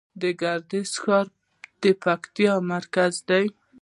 د ګردیز ښار د پکتیا مرکز دی